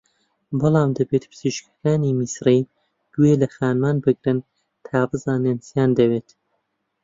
بەڵام دەبێت پزیشکانی میسری گوێ لە خانمان بگرن تا بزانن چییان دەوێت